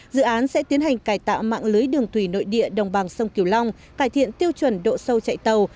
dự án sẽ tiến hành cải tạo mạng lưới đường thủy nội địa đồng bằng sông kiều long cải thiện tiêu chuẩn độ sâu chạy tàu